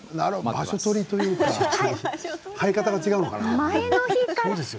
場所取りというか違うのかな。